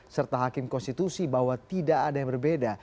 serta hakim konstitusi bahwa tidak ada yang berbeda